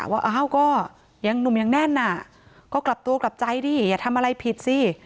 ว่าอ้าวก็ยังหนุ่มยังแน่นอ่ะก็กลับตัวกลับใจดิอย่าทำอะไรผิดสิ